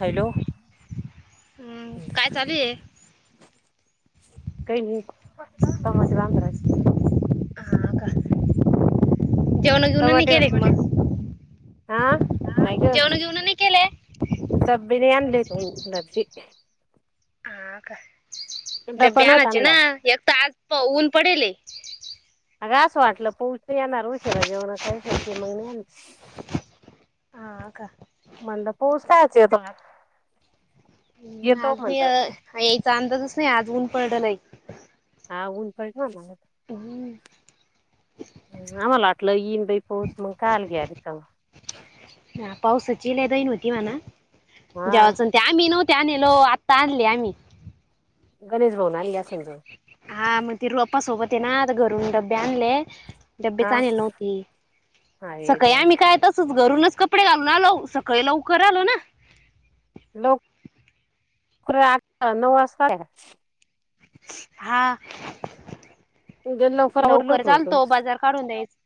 Hello! हम्म काय चालू हाय? [inaudible] टमाटे [inaudible] हा नाही का जेवण घेऊन नाही केले दब्बीनेक नब्जी [inaudible] डब्बा नव्हता आणला प ऊन पडेले अग असं वाटलं पोहचून येणार उशिरा जेवणा काहीचती मग नाही येणार हा अ का. म्हणलं पोहचतायच य तोला. आज नाही यायचा अंदाजच नाही आज ऊन पडडलाई. हा ऊन पठ ना. हम्. आम्हाला वाटलं येईन बाई पोहच मग काल घे काग. हा, पावसाची लदई नव्हती म्हणा हा जेव्हाचून ते आम्ही नव्ह. त्या आणलो आता आणली आम्ही. गणेश भवन अली. हा मग ते रूप्पाासोबत आहे ना आता घरून डब्बे आणले. डबे हा चालेल नव्हती अरे सकाळी देवा आम्ही काय तसच घरूनच. कपडे घालून आ लव सकाळी लवकर आलो ना. लोक शुक्र आठ नऊ वाजता. हा आवरलं लवकर होतं चालतो बाजार काढून द्यायच.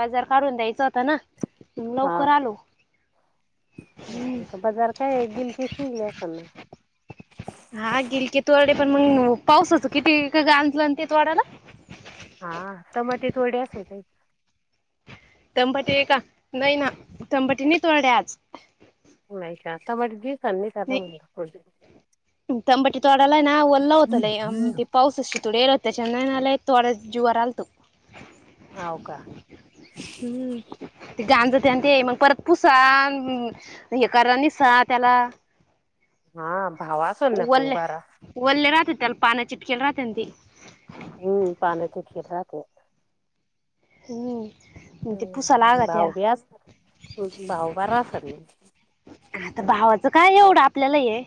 बाजार काढून द्यायच होता ना लवकर आलो. हो बाजार काय गिलकीस निघली असताना हा गेलक तो वाडे पण मग पाऊसाच किती गांजलंत तोडायला. [unintelligible] तंपटी आहे का नाही ना तंपटी नाही तोरडे आज [inaudible] [inaudible] म्हणलं थोडे तथडील होते चन आहे ना थोड जुरा आल तू. हाव का हम् ते गांजते आणि ते मग परत. तूसा हे कररा निसा त्याला. हा. भाव असेल ना मग ले बारा उल्ले राहतते अल पाान चिटकेला राहते ती. हम् पाण च शेट रा ते. हम्म. ह ते पुसा लागा त्या भाव्या भाव बारा ल. आता भावाचं काय एवढं आपल्याला ये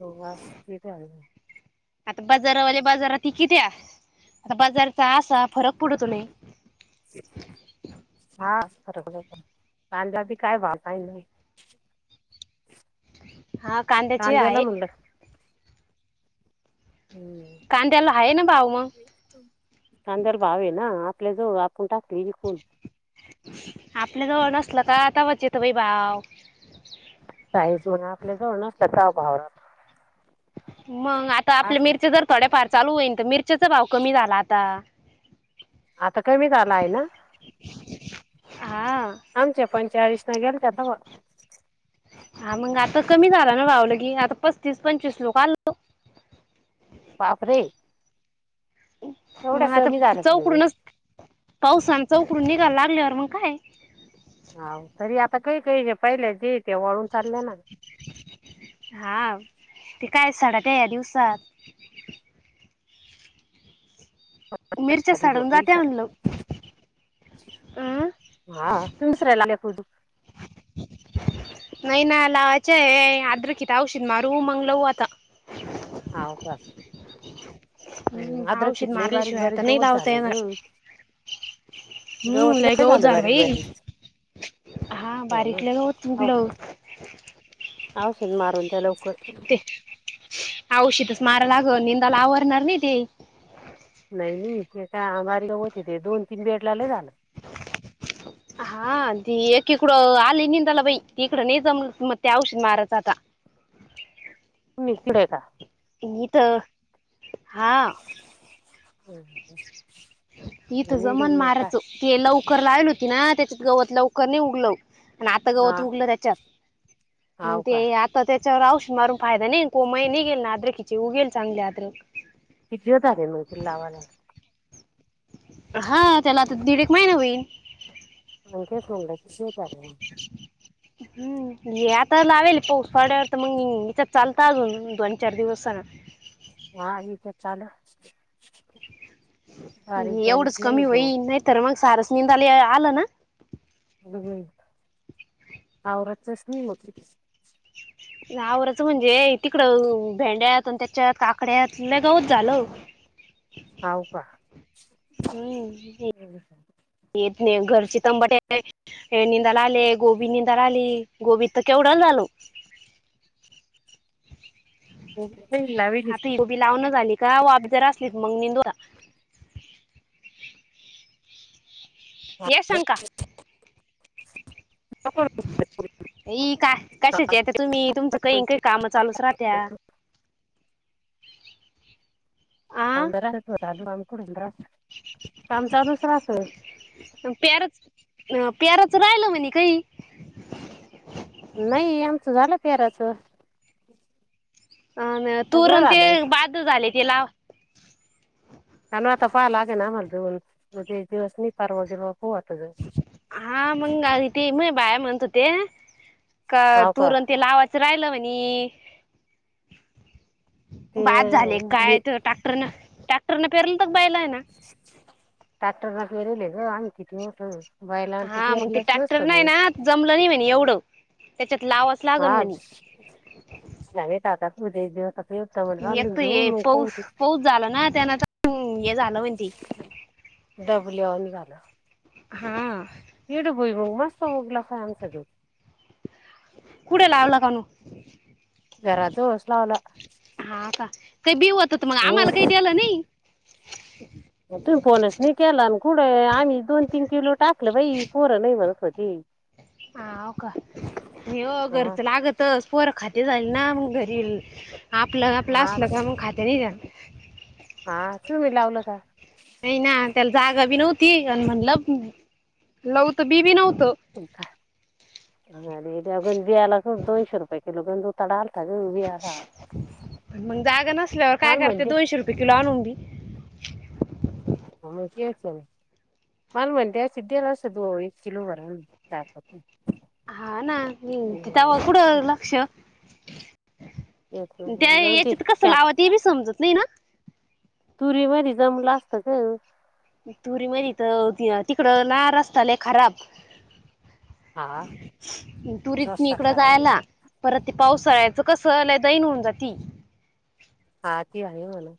हो असते का? आता बाजारावाले बाजाराताती किती्या. आता बाजारचा असा फरक पडू तुही- पांजाबी काय भताय नाही. हा कांद्याची कांद्याला आहे. म्हणलं हम्म कांद्याला आहे ना भाव मग संदर्भ आहे ना. आपल्या जवळ आपण टाकली विकून. आपण जवळ नसल का आता बच येत बाई भाव. आज आपल्या जवळ नसत काव भाात. मग आता आपल्या मिरचे जर थोड्याफार चालू होईन तर मिरच्याचा भाव कमी झाला आता. आता कमी झाला आहे ना हा आमच्या पं- चाळीस ना गेल त्याता. हा मंग आता कमी झाला ना भावलं की आता पस्तीस पंचवीस लोक आल. बाप रे. मग आता चौकरूनच पावसान चौकरून- च अ लागलेवर बखा. हा तरी आता काही काही पहिले जे तेे वळून. चालले ना हा. ते काय साडा त्या या्या दिवसात. मिरच्या आधी झोपील सडुनजात्याल सगळं म्हणल. हा तुच राला आले कदु. नाही ना लावायच आहे आद्रके त अवशदमरू मंग लाव आता. [unintelligible] हम्म अद्रक अवशीद पिकलंय मारली बारीक शिवाय बारीक आता गवत नलवता झालं येणार. ग हम्म लय गवत झालं बाई. हा हो ना बारीकला गवत औ- मुगलं. औषध मारून त्या लवकर औषधमारा लागल निंदाला आवरणार नाही ते. नाही नाही ते काय आमारी गाव होते ते दोन तीन बेडला लयी झालं. हा ती एकीकडं आली निंदाला बाई त इकडं नाही जमलं मग त्या औषध मारायचं आता. तु इकडे का? इथं हा. हम्म. तीथ जमन निंदून नाही काय मारयचो ते लवकर लावल होती ना त्याच्यात गवत लवकर नाही उगल. आणि आता हा गवत उगलं त्याच्यात मग हाव ते का आता ते त्याच्यावर औषध मारून फायदा नाही को म निघेल ना आद्रकीचे उघेल चांगले आद्रक. किती दिवस झाले होलसे ल लावाला. हा त्याला आता दीड एक महिना होईल. ह तेच म्हनल. हम् आता लावेल पाऊस पाड्यावर तर मग हचत चालत अजून दोन चार दिवस करत. हा इथ चालू बारीक एवढच बारीक लय कमी होई गवत नाही, तर मग सारचं निंदली आल ना? अ हवरातच नाही होती. नावरचं म्हणजे तिकड भेंड्यात त्याच्या काकड्यातलं गऊत झालं. हाव का. हम्म. घरची तंबाटे निंदाला आले गोबी निंदाला आली गोबी तर केवढा झालो. रोपे लाविली. आता ही गोबी लावणं झाली वाबजरा असली तर निंदरा. येस अंका. [unintelligible] बाई काय कशाची आता तुम्ही तुमच काही काही काम चालूच राहत्या. [inaudible] आ [unintelligible] काम चालूच रहात. अ पेराच राहिल म्हणे काही. नाही आमच झालं पेराच. अ तूरण ते बाद झाले ते लावा. काणवाता पलागेना मर म दिवसनी पारवा बीरव. हा मंग ते मग बाया म्हणत होते. का तुरण ते लावाचं राहिलं म्हणी. ते बाद झाले उगली काय तर टॅक्टरन टॅक्टरन फेरून तर बायला न. टॅक्टर न फेरवले ग आणि तिथ होतं. हा मग ते ट्रॅक्टर नाही ना जमलं नाही म्हने एवढं. त्याच्यात लावाच लागन हा म्हणे नवे काका होते ग. एकत ये पाऊस पाऊस झाला ना त्यांना हम्म हे झालं म्हती. [unintelligible] झालं हा. हिगड भुईमुग मस्त होगला आमचं ग. कुठे लावला काणू. वरदोस लावला. हा का ते बी होत मग हो, आम्हाला काही द्यालं नाही तुम्ही फोनच नाही केलान. कुडं आम्हीच दोन तीन किलो टाकलं बाई पोरं नाही, म्हणत होती. हाव का? नाही ओ हा घरच लागतच. पोर खाते झाले ना, मग घरी आपलं आपलं हा असलं का मग खाते नाही ना. हा तुम्ही लावल का? नाही ना त्याला जागा बी नव्हती, अन म्हणलं लवु त बी बी नव्हत. गंज बियाला दोनशे रुपये किलो गंज उताडा आलता. ग बियाला. मग जागा नसल्यावर काय मला करता? म्हणते दोनशे रुपये किलो आणून बी. हा मग तेच ना. मला म्हणल्यास दिलं असतं. एक किलो भर हा ना, त तवा कुडं लक्ष. तेच ना त्या मग जाऊ दे याच्यात कस त्या लावा ते बी समजत नाही ना. तुरी मध जमलं असत का. तुरी मधी तर तिकडं ला रस्ता लयी खराब. हा तुरीत मी रस्ता इकडं करायले जायला. परत ते पाऊस पळायचं कसं झालंय दैन होऊन जाती. हा ती हाये म्हना.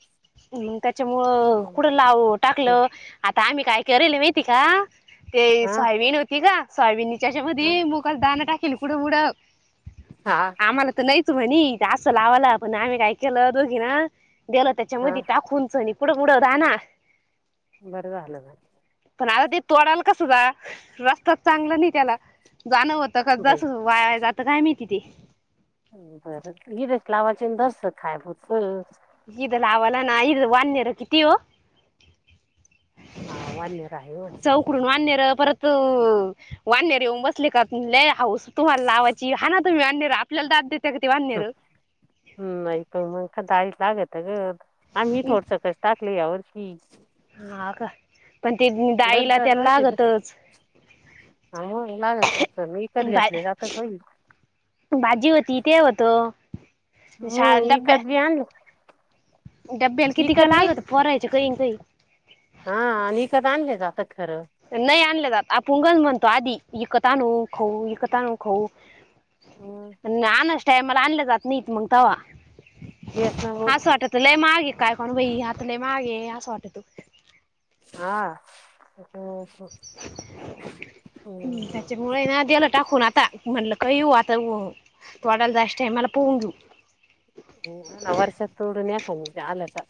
मग त्याच्यामुळं कुठं लाव टाकलं, आता आम्ही काय करयल माहती का? ते हा सोयाबीन होती का? सोयाबीनच्या याच्यामध्ये मुगाचा दाणं टाकेल, कुढं मुडं. हा आम्हाला त नाहीच म्हणी, असं लावाला पण आम्ही काय केलं दोघी न देलं त्याच्या मधी हा टाकून सनी, कुडमुड दाना. बरं झालं ना. पण आता ते तोडाल कास जा, रस्ताच चांगला नाही त्याला. जाणं होतं का बाई. तसज वाया जात, काय माहिती ते. बरं इधच लावाचे दरसक खायापुरत. इध लावाला ना इध वानेर किती वो. हा वानर आहे गंज. वानेर परत वाननेर येऊन बसले का? लई हाऊस तुम्हाला लावायची. हाना तुम्ही वनेर आपल्याला दाद देत हम्म नाही त मग दाळीत लागत ग. आम्ही थोडसं कच टाकले या वर्षी. हा का? पण ते दर डाईला दर त्याला वर्षी लागतच. लागतचन, मग विकत बा घेतल्या जात नाही. भाजी होती ते होतं हम्म विकत बी आण डब्ब्याला किती क लागत पोरांच्या काहीन काही. हा आणि विकत आणलं जातं का? नाही आणले जात, आपुंगज म्हणतो आधी इकत आणून खाऊ, इकत आणून खाऊ. हम्म, आणच टाय मला आणलं जात नाहीत मंग तवा्. तेच ना मग असं वाटत लय मागे का काय काणू बाई?. अता लय मागे असं वाटत. हा. हम्म. त्याच्यामुळे नदीला टाकून, आ ता म्हणलं काही होऊ, आता तोवाडाला जायच्या टामला पोहून घेऊ. हा ना. वर्षात तोडून का म आलाचा.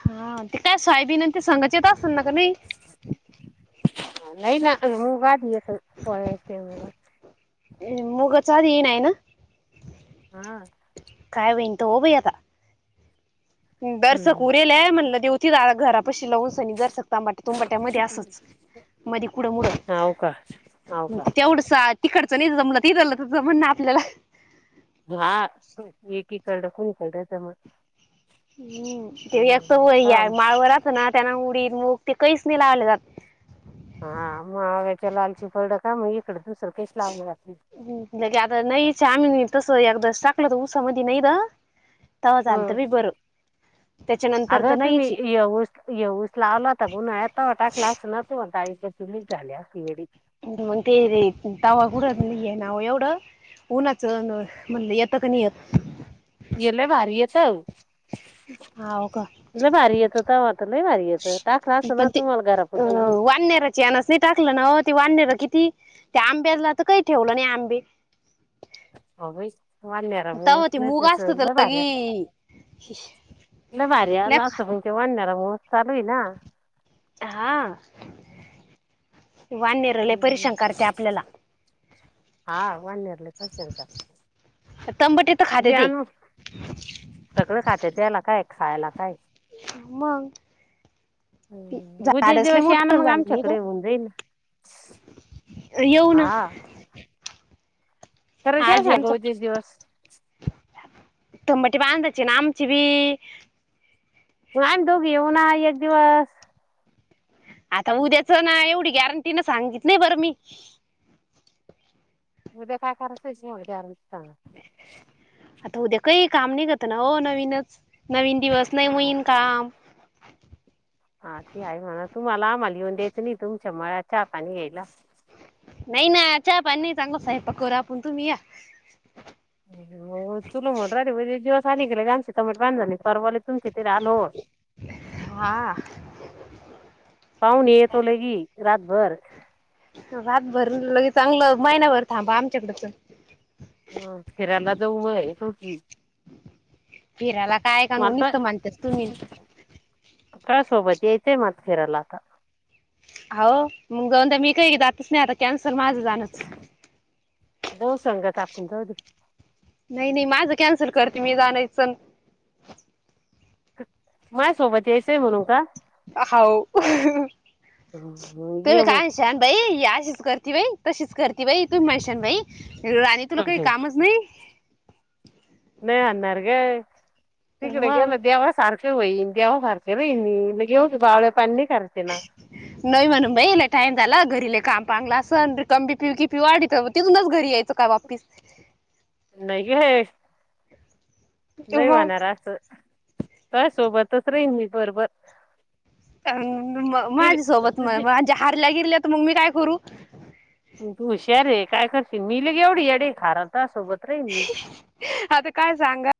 हा ते काय साईबीन ते संगच येत असल ना, का नाही. नाही ना मूग आदी येतो, पोळ्याच्या टायमाला. सॉरी! नाही ना. हा. काय होईन त होऊ बाई आता. दरसक हम्म उरेले म्हणलं देेवू तीद अता घरा पशी लावून सणी दरसक तबाट्या तुंबाट्या मध्ये असच, मध्ये कुड मुडं हाव का हाव मग का ते तेवढ तिकडचं नाही तला तिथलं तं म्हण आपल्याला खळ खुणी खळ येत म हम्म तेत व या माळवरचं ना त्यांना ते मुग ते कहीच नाही लावले जात. हा मगग्याच्या लालची पलड का मग इकडं दुसरं काहीच लावलं जात नाही [inaudible] टाकलत ऊसा मधी एकादा तवा झालात हं. बाई बर. अगं तुम्ही ये ऊस ये ऊस लावला तर उन्हाळ्यात तवा टाकलं, [inaudible] मग ते रे तवा कुठत नाही आहे नाव एवढं. उन्हाच म्हणलं येतं की नाही येत. हे लय भारी येतं हाव का भारी येतं तवा तर लय भारी येतं टाकला अस ना तुम्हाला घरापुरती बूक वन्यारचा हेणच नाही टाकलं ना ओ, ते वाण्यार किती त्या आंब्याला त काही ठेवलं नाही आंबे. होव बाई वाण्यार मूळच, तवा ते नाहीतर मूग असत त्याचं तर लय भारी असतं. लगी लय भारी् आलं असंत लेका पण ते वाण्यारा हो चालू ना. वन्यार लय हम्म. परिशान करते आपल्याला. हा वन्यार लय परिशान करत्यात. तंबटे तर खाते ते यान सगळं खाते यायला काय खायला काय. मगं. उद्या झाडसले दिवस या ना मोटर मग झाले नाही ग. आमच्याकडे होऊन जाईल येऊ ना. हा [inaudible] तंबटी बांधायची ना आमची बी मगं आणि दोघी येऊ ना एक दिवस. आता उद्याच ना एवढी गॅरंटी ना सांगित नाही बर मी. उद्या काय करायचय उद्या? आता उद्या काही काम नाही करत ना हो नवीनच नवीन दिवस नाही मोईन काम. हा ती आहे म्हणा तुम्हाला आम्हाला लिहन द्यायचं नाही तुमच्या मळ्या चाकानी यायला. नाही ना अ च पनी चांगला साहेब पक रा आपून तुम्ही या. हो तुला म्हणून राहीले म्हजे एकदिवस आली गेलेआमची तंबाटी झाली. परवलीतून तिथे आलो. हा पाऊन येतो लगी रातभर. रात भर लगे चांगलं महिनाभर थांबा आमच्याकडच फिरायला जाऊ मग फिरायला काय का मगं आता नुसतं मानतेस तुम्ही करा सोबत. तेेत मात फेरला आता. [inaudible] बो संगत आपण जाऊदे. नाही नाही माझं कॅन्सल करते मी जाणच. माझ्या सोबत यायचंय म्हणू का? हो ये तुम्ही मग काय शान भाई या तशीच करती बाई तशीच करती बाई तू म्हैशन बाई राणी तुला काही कामच नाही. नाही आणार ग तिकडे मग गेलं देवा सारखं [inaudible] नोय म्हणून भाई टाईम झाला [inaudible] नाही हे नाही मग म्हणार असं तुह्या सोबतच राहीन मी बरबर अ माझ्यासोबत म माझ्या हारल्या गिरल्या त मग मी काय करू तु हुशार हे काय करशील मी ली येवढी येडी खाराता सोबत आता काय सांगा?